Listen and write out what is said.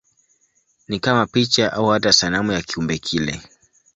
Ni kama picha au hata sanamu ya kiumbe kile.